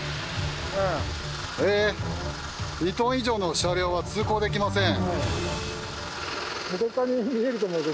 えっ「２ｔ以上の車両は通行できません」。